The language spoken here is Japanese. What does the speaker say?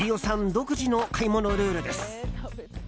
独自の買い物ルールです。